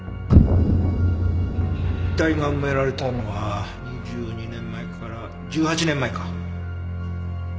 遺体が埋められたのは２２年前から１８年前か。